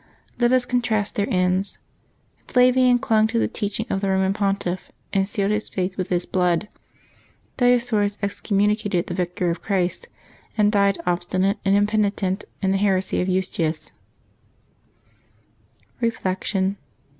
Let us contrast their ends. Flavian clung to the teaching of the Roman Pontiff, and sealed his faith with his blood. Dioscorus excommunicated the Vicar of Christ, and died obstinate and Impenitent in the heresy of Eutyches. Reflection.